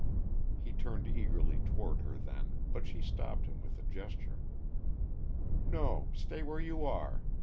He turned eagerly toward her then, but she stopped him with a gesture. "No stay where you are.